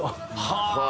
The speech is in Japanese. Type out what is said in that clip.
はあ！